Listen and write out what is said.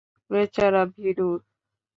বেচারা, ভিরু!